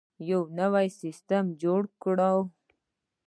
یو نوی سیستم جوړ کړو.